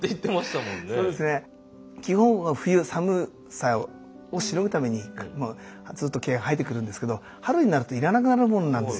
基本は冬寒さをしのぐためにずっと毛が生えてくるんですけど春になるといらなくなるものなんですよ。